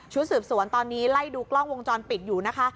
สืบสวนตอนนี้ไล่ดูกล้องวงจรปิดอยู่นะคะ